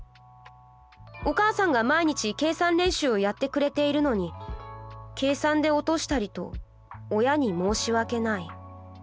お母さんが毎日計算練習をやってくれているのに計算で落としたりと親に申し訳ない。